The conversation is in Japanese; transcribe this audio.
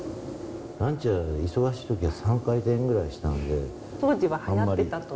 ランチは忙しくて、３回転ぐらいしたんで。